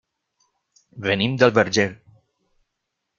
Venim del Verger.